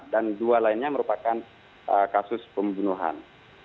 dan dua lainnya merupakan kasus pembunuhan